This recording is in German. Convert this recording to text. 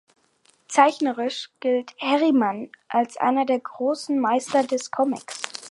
Zeichnerisch gilt Herriman als einer der großen Meister des Comics.